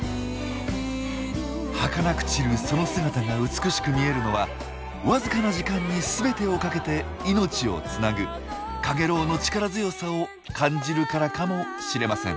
はかなく散るその姿が美しく見えるのはわずかな時間に全てをかけて命をつなぐカゲロウの力強さを感じるからかもしれません。